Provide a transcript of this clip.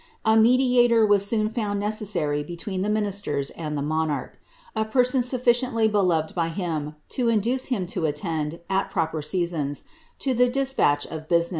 A mediator was soon found necessary beiween the ministers and the monarch — a person sufficiently belovi>d by liuii. lo induce him to attend, at proper seasons, to the despatch of bu»ine^>.